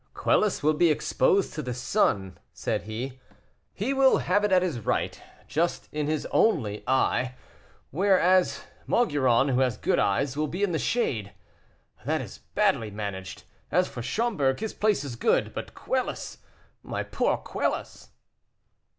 "Quelus will be exposed to the sun," said he; "he will have it at his right, just in his only eye; whereas Maugiron, who has good eyes, will be in the shade. That is badly managed. As for Schomberg, his place is good; but Quelus, my poor Quelus!"